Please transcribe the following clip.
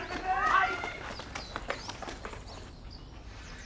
はい！